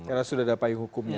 karena sudah dapat hukumnya